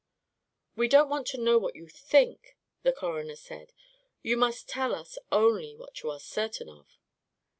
"We don't want to know what you think," the coroner said; "you must tell us only what you are certain of."